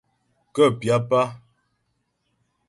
Kə́ pyáp á.